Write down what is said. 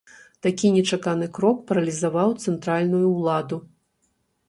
Такі нечаканы крок паралізаваў цэнтральную ўладу.